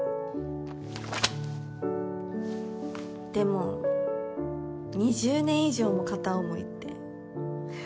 でも２０年以上も片思いって。